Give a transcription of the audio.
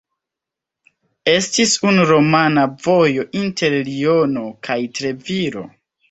Estis unu romana vojo inter Liono kaj Treviro.